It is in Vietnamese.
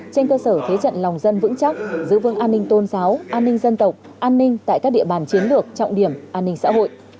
trên cơ sở thế trận lòng dân vững chắc giữ vững an ninh tôn giáo an ninh dân tộc an ninh tại các địa bàn chiến lược trọng điểm an ninh xã hội